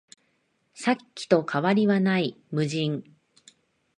さっきと変わりはない、無人